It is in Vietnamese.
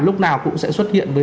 lúc nào cũng sẽ xuất hiện